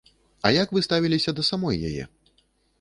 А як вы ставіліся да самой яе?